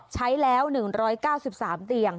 ใช้แล้ว๑๙๓เตียง